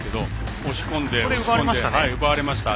押し込んで奪われました。